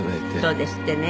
そうですってね。